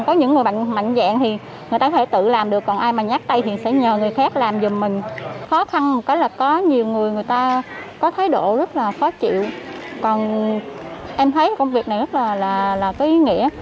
còn em thấy công việc này rất là có ý nghĩa